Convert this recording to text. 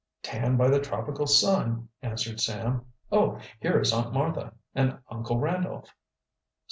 "Tanned by the tropical sun," answered Sam. "Oh, here is Aunt Martha, and Uncle Randolph!"